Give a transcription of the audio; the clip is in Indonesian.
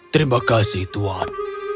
terima kasih tuan